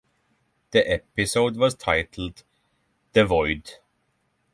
The episode was titled "The Void".